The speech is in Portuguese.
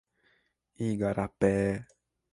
Igarapé